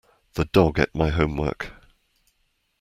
The dog ate my homework.